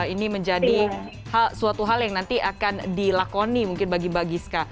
ini menjadi suatu hal yang nanti akan dilakoni mungkin bagi mbak giska